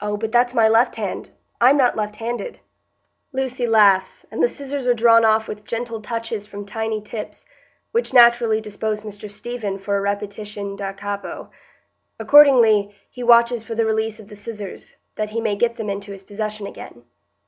"Oh, but that's my left hand; I'm not left handed." Lucy laughs, and the scissors are drawn off with gentle touches from tiny tips, which naturally dispose Mr Stephen for a repetition da capo. Accordingly, he watches for the release of the scissors, that he may get them into his possession again.